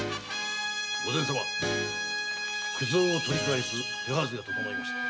御前様九蔵を取り返す手はずが整いました。